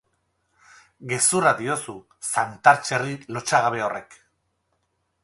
Gezurra diozu, zantar, txerri, lotsagabe horrek!